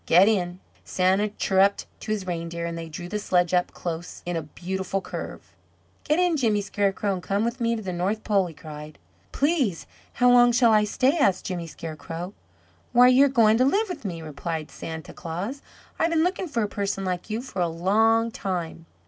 Get in!" Santa chirruped to his reindeer, and they drew the sledge up close in a beautiful curve. "Get in, Jimmy Scarecrow, and come with me to the North Pole!" he cried. "Please, how long shall I stay?" asked Jimmy Scarecrow. "Why, you are going to live with me," replied Santa Claus. "I've been looking for a person like you for a long time."